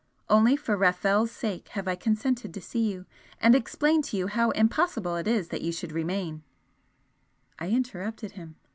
Only for Rafel's sake have I consented to see you and explain to you how impossible it is that you should remain " I interrupted him.